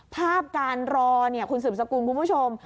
ภาพการรอคุณสืบสกุลคุณผู้ชม